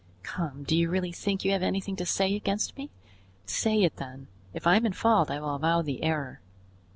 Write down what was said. Come, do you really think you have anything to say against me? Say it then; if I am in fault I will avow the error."